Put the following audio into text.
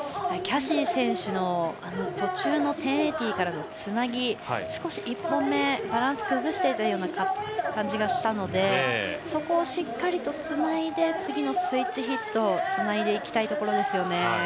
キャシー選手の途中の１０８０からのつなぎ少し１本目バランスを崩していたような感じがしたのでそこをしっかりつないで次のスイッチヒットにつないでいきたいところですよね。